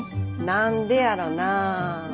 何でやろなあ？